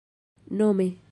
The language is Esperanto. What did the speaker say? nome